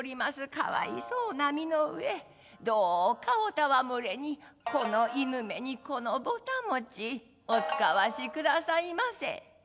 可哀相な身の上どうかおたわむれにこの犬めにこのぼた餅お遣わしくださいませ」。